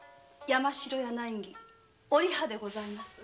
山城屋内儀おりはでございます。